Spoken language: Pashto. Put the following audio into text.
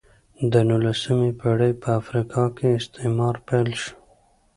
د نولسمې پېړۍ په افریقا کې استعمار پیل شو.